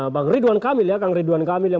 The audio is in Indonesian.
bang ridwan kamil ya kang ridwan kamil yang